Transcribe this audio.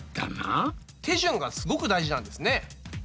手順がすごく大事なんですね。